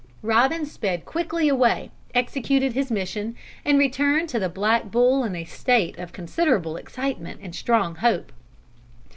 Robin sped quickly away, executed his mission, and returned to the Black Bull in a state of considerable excitement and strong hope.